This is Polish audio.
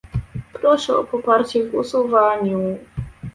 Proszę o poparcie w głosowaniu